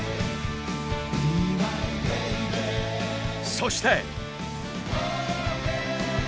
そして。